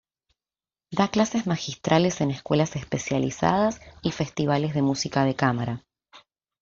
Da clases magistrales en escuelas especializadas y festivales de música de cámara.